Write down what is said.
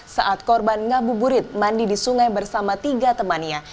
saat korban ngabuburit mandi di sungai bersama tiga temannya